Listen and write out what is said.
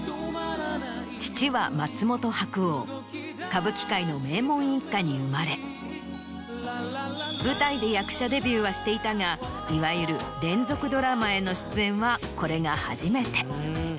歌舞伎界の名門一家に生まれ舞台で役者デビューはしていたがいわゆる連続ドラマへの出演はこれが初めて。